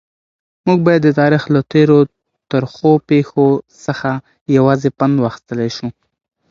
موږ باید د تاریخ له تېرو ترخو پیښو څخه یوازې پند واخیستلای شو.